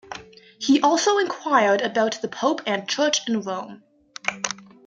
He also inquired about the Pope and Church in Rome.